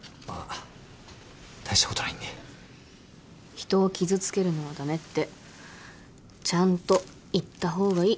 人を傷つけるのは駄目ってちゃんと言った方がいい。